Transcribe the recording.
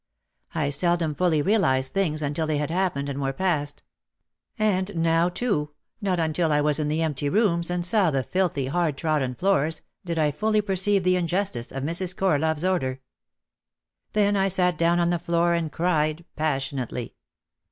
I sel dom fully realised things until they had happened and were past. And now too, not until I was in the empty rooms and saw the filthy, hard trodden floors, did I fully perceive the injustice of Mrs. Corlove' s order. Then I sat down on the floor and cried passionately.